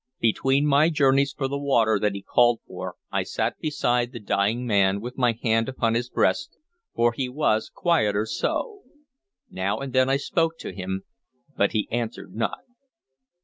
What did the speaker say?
Between my journeys for the water that he called for I sat beside the dying man with my hand upon his breast, for he was quieter so. Now and then I spoke to him, but he answered not.